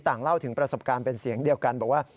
เล่าถึงประสบการณ์เป็นเสียงเดียวกันบอกว่า